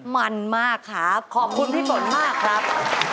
มันมากครับขอบคุณพี่ฝนมากครับ